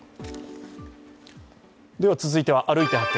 続いては「歩いて発見！